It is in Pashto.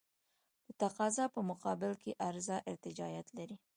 د تقاضا په مقابل کې عرضه ارتجاعیت لري.